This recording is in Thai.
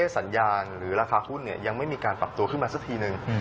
สัญญาณหรือราคาหุ้นยังไม่มีการปรับตัวขึ้นมาสักทีนึง